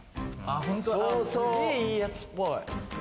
すげぇいいやつっぽい。